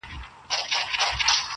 له خپله نظمه امېلونه جوړ کړم.!